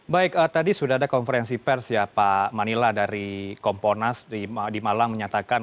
baik tadi sudah ada konferensi pers ya pak manila dari komponas di malang menyatakan